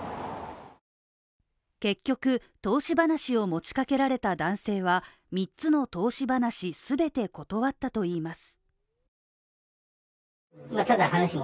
結局、投資話を持ち掛けられた男性は三つの投資話全て断ったといいます。